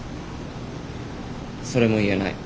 それも言えない。